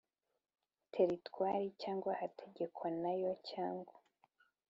Teritwari cyangwa ahategekwa nayo cyangwa